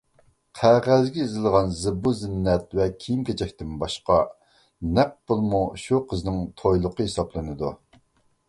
قەغەزگە يېزىلغان زىبۇ-زىننەت ۋە كىيىم-كېچەكتىن باشقا، نەق پۇلمۇ شۇ قىزنىڭ تويلۇقى ھېسابلىنىدۇ.